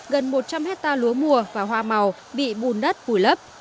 gần một trăm linh hectare lúa mùa và hoa màu bị bùn đất vùi lấp